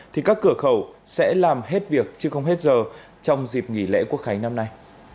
thì các cửa khẩu sẽ làm hết việc chứ không hết giờ trong dịp nghỉ lễ quốc khánh năm nay